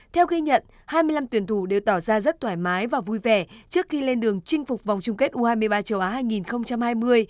theo ghi nhận hai mươi năm tuyển thủ đều tỏ ra rất thoải mái và vui vẻ trước khi lên đường chinh phục vòng chung kết u hai mươi ba châu á hai nghìn hai mươi